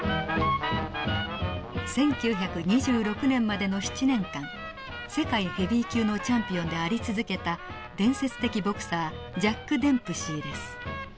１９２６年までの７年間世界ヘビー級のチャンピオンであり続けた伝説的ボクサージャック・デンプシーです。